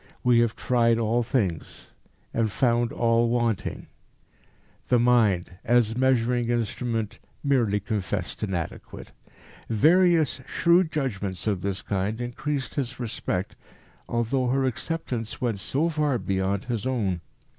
"We have tried all things, and found all wanting" the mind, as measuring instrument, merely confessed inadequate. Various shrewd judgments of this kind increased his respect, although her acceptance went so far beyond his own.